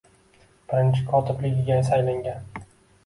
birinchi kotibligiga saylangan.